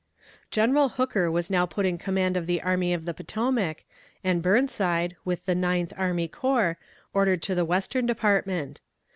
General Hooker was now put in command of the Army of the Potomac, and Burnside, with the Ninth Army Corps, ordered to the Western department.